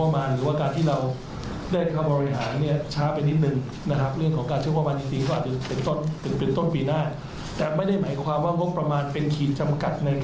มีควิกวินหลายอย่างที่เราสามารถทำได้